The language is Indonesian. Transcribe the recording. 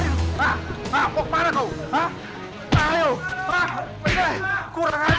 itu cuma perumpamaan tati